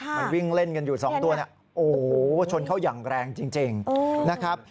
มันวิ่งเล่นกันอยู่สองตัวเนี่ยโอ้โหชนเข้าอย่างแรงจริงนะครับ